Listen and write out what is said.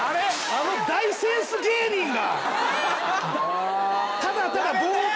あの大センス芸人が。